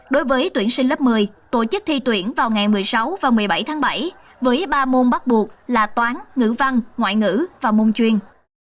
đối với tuyển sinh lớp một mươi tổ chức thi tuyển vào ngày một mươi sáu và một mươi bảy tháng bảy với ba môn bắt buộc là toán ngữ văn ngoại ngữ và môn chuyên